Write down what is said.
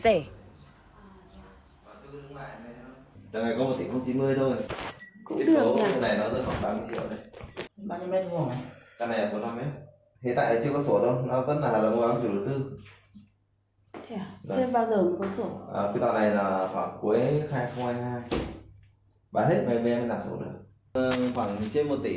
tại đây chưa có sổ đâu nó vẫn là hợp đồng ba mươi triệu đối tư